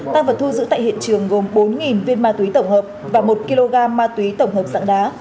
tăng vật thu giữ tại hiện trường gồm bốn viên ma túy tổng hợp và một kg ma túy tổng hợp dạng đá